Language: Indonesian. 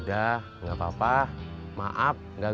biasanya ada apa apa